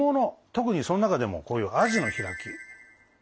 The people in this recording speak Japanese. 特にその中でもこういうアジの開き。